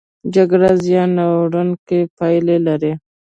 جګړه زیان اړوونکې پایلې لري.